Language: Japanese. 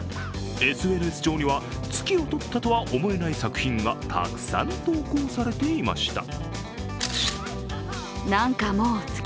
ＳＮＳ上には月を撮ったとは思えない作品がたくさん投稿されていました。